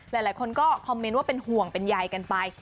หลายคนก็คอมเมนต์ว่าเป็นห่วงเป็นใยกันไป